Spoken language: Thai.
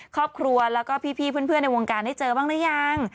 ครอบครัวแล้วก็พี่เพื่อนในวงการได้เจอบ้างหรือยัง